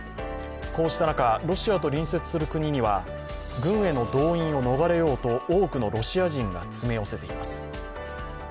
こうした中、ロシアと隣接する国には軍への動員を逃れようと多くのロシア人が押し寄せています。